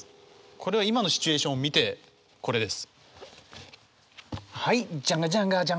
これは今のシチュエーション見てこれです。